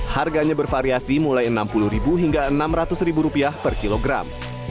harganya bervariasi mulai rp enam puluh hingga rp enam ratus per kilogram